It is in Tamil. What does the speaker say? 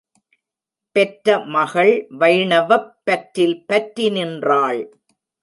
பெற்ற மகள் வைணவப் பற்றில் பற்றி நின்றாள்.